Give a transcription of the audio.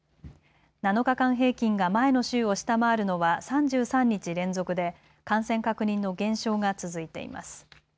７日間平均が前の週を下回るのは３３日連続で感染確認の減少が続いています。